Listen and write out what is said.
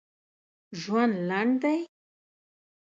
ژوند لنډ دي!